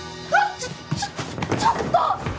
ちょっちょちょっと！